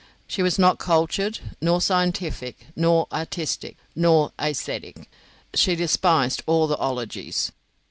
She was not cultured, nor scientific, nor artistic, nor aesthetic. She despised all the ologies.